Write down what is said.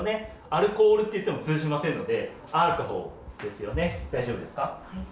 アルコールって言っても通じませんので、アルカホールですよね、大丈夫ですか。